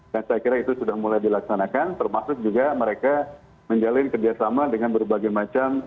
dan saya kira itu sudah mulai dilaksanakan termasuk juga mereka menjalin kerjasama dengan berbagai macam